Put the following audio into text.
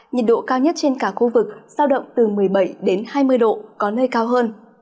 nhiệt độ cao nhất trên cả khu vực sao động từ một mươi bảy hai mươi độ có nơi cao hơn